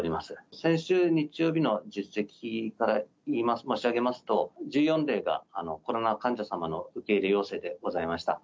先週日曜日の実績から申し上げますと、１４例がコロナ患者様の受け入れ要請でございました。